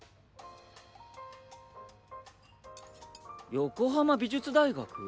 横浜美術大学？